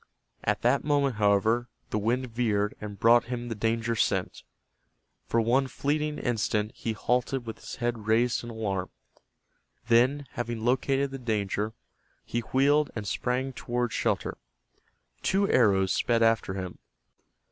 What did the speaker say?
At that moment, however, the wind veered and brought him the danger scent. For one fleeting instant he halted with his head raised in alarm. Then, having located the danger, he wheeled and sprang toward shelter. Two arrows sped after him.